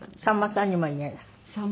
さんまさんにも言えない？